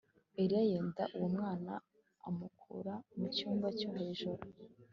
Eliya yenda uwo mwana amukura mu cyumba cyo hejuru